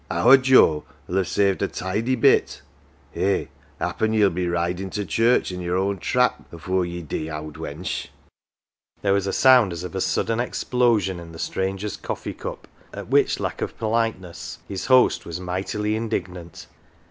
".Our Joe'll have saved a tidy bit. Eh, happen ye'll be ridin' to church i' yer own trap afore ye dee, owd wench !" There was a sound as of a sudden explosion in the stranger's coffee cup, at which lack of politeness his host was mightily indignant.